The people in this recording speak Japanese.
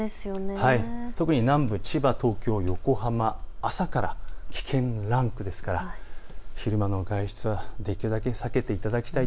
特に南部、千葉、東京、横浜、朝から危険なランクですから昼間の外出はできるだけ避けてください。